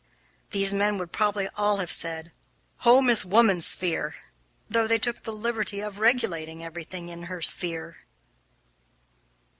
These men would probably all have said "home is woman's sphere," though they took the liberty of regulating everything in her sphere.